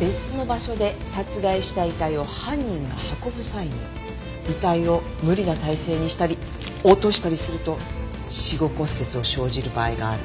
別の場所で殺害した遺体を犯人が運ぶ際に遺体を無理な体勢にしたり落としたりすると死後骨折を生じる場合がある。